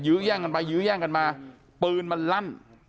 แย่งกันไปยื้อแย่งกันมาปืนมันลั่น